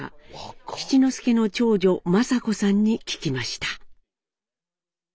七之助の長女昌子さんに聞きました。